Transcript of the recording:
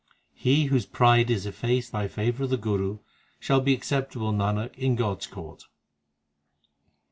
He whose pride is effaced by favour of the Guru, Shall be acceptable, Nanak, in God s court.